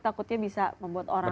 takutnya bisa membuat orang